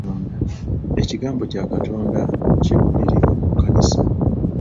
Ekigambo kya katonda kibuulirirwa mu kkanisa.